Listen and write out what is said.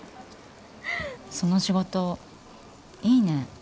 その仕事いいね。